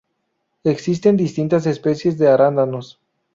Existen distintas especies de arándanos.